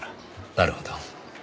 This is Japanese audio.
なるほど。